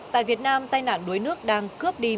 tại việt nam tai nạn đuối nước đang cướp đi